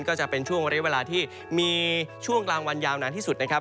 ก็จะเป็นช่วงเรียกเวลาที่มีช่วงกลางวันยาวนานที่สุดนะครับ